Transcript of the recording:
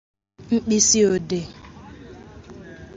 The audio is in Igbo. mkpịsị odee